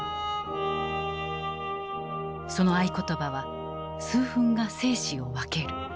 その合言葉は「数分が生死を分ける」。